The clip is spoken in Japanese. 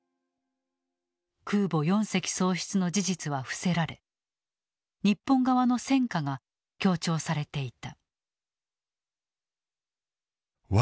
空母４隻喪失の事実は伏せられ日本側の戦果が強調されていた。